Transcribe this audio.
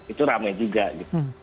itu rame juga gitu